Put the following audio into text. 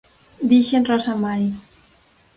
Dixen Rosamari.